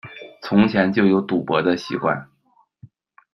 从前就有赌博的习惯